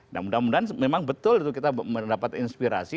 nah mudah mudahan memang betul itu kita mendapat inspirasi